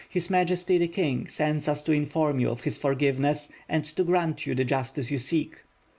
"His Majesty, the King, sends us to inform you of his forgiveness, and to grant you the justice you seek."